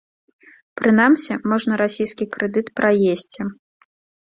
Прынамсі, можна расійскі крэдыт праесці.